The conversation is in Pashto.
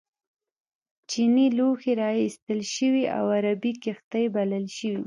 چینی لوښي را ایستل شوي او عربي کښتۍ بلل شوي.